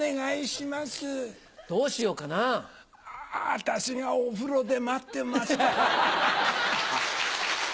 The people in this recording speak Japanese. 私がお風呂で待ってますから。